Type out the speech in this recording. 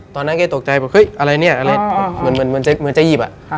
ตอนนั้นแกตกใจอะไรเนี่ยเหมือนจะหยีบอะ